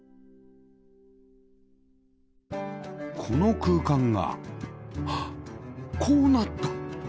この空間がこうなった！